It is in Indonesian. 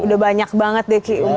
udah banyak banget deh aki umurnya